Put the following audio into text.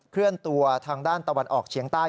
เคลื่อนตัวทางด้านตะวันออกเฉียงใต้